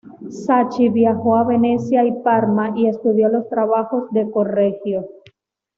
Sacchi viajó a Venecia y Parma y estudió los trabajos de Correggio.